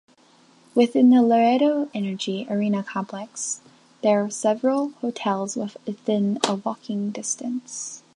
Within the Laredo Energy Arena complex, there are several hotels within a walking distance.